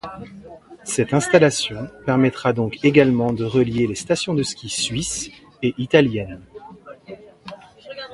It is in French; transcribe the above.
Cette installation permettra donc également de relier les stations de ski suisses et italiennes.